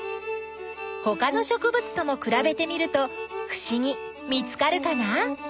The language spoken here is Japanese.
ほかのしょくぶつともくらべてみるとふしぎ見つかるかな？